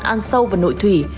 an sâu và nội thủy